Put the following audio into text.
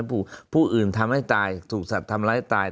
ให้ผู้ผู้อื่นทำให้ตายถูกสั่งทำงานให้ตาย